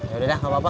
yaudah nggak apa apa